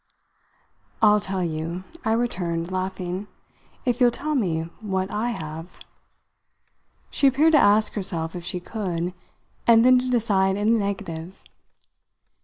"I'll tell you," I returned, laughing, "if you'll tell me what I have." She appeared to ask herself if she could, and then to decide in the negative.